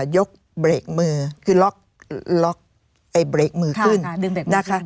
ยกเบรกมือคือล็อกเบรกมือขึ้นนะคะ